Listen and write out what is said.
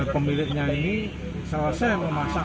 pemiliknya ini selesai memasak gula merah dan dibiarkan